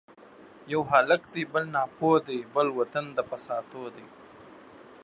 یو هلک دی بل ناپوه دی ـ بل وطن د فساتو دی